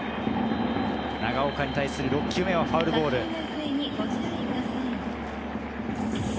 長岡に対する６球目はファウルボール。